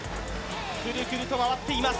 くるくると回っています。